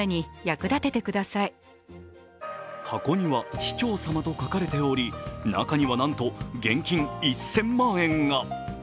箱には「市長様」と書かれており中にはなんと現金１０００万円が。